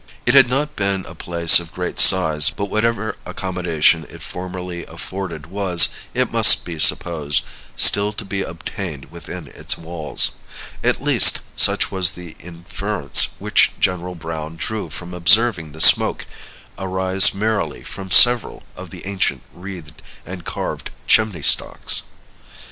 It had not been a place of great size; but whatever accommodation it formerly afforded was, it must be supposed, still to be obtained within its walls; at least, such was the inference which General Browne drew from observing the smoke arise merrily from several of the ancient wreathed and carved chimney stalks.